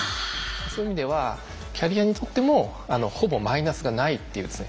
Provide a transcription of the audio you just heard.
そういう意味ではキャリアにとってもほぼマイナスがないっていうですね。